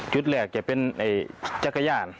จุดแรกจะเป็นจั๊กย่าน